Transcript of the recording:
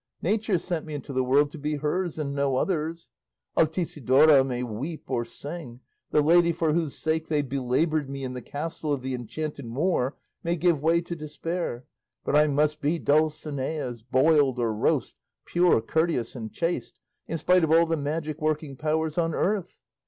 Nature sent me into the world to be hers and no other's; Altisidora may weep or sing, the lady for whose sake they belaboured me in the castle of the enchanted Moor may give way to despair, but I must be Dulcinea's, boiled or roast, pure, courteous, and chaste, in spite of all the magic working powers on earth."